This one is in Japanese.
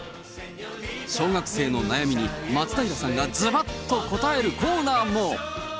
小学生の悩みに、松平さんがずばっと答えるコーナーも。